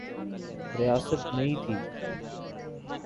ریاست نئی تھی۔